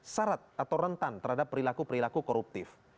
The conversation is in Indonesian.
syarat atau rentan terhadap perilaku perilaku koruptif